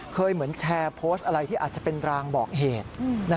เหมือนแชร์โพสต์อะไรที่อาจจะเป็นรางบอกเหตุ